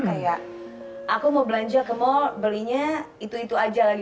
kayak aku mau belanja ke mall belinya itu itu aja lagi